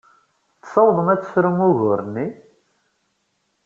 Tessawḍem ad tefrum ugur-nni?